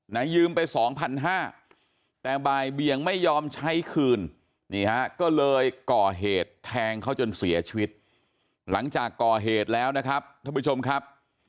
ยืมไปสองพันห้าแต่บ่ายเบียงไม่ยอมใช้คืนนี่ฮะก็เลยก่อเหตุแทงเขาจนเสียชีวิตหลังจากก่อเหตุแล้วนะครับท่านผู้ชมครับ